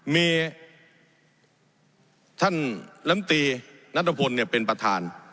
มีท่านลำตีนัตรพลเป็นประธาน